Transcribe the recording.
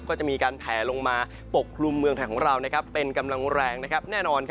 ก็จะมีการแพ้ลงมาปกรุงเมืองไทยซึ่งกำลังแรงแน่นอน